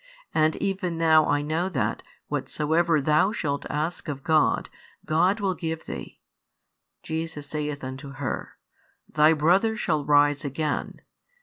And even now I know that, whatsoever Thou shalt ask of God, God will give Thee. Jesus saith unto her, Thy brother shall rise again.